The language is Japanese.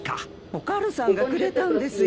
お軽さんがくれたんですよ。